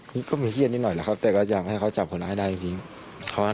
เพราะฉะนั้นเจ้าหน้าที่เขาได้บอกไหมว่า